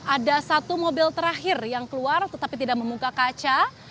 ada satu mobil terakhir yang keluar tetapi tidak membuka kaca